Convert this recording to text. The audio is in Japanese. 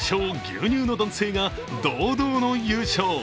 ・牛乳の男性が堂々の優勝。